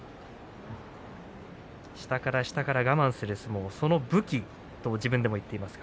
下から下から我慢する相撲それが武器だと自分でも話していました。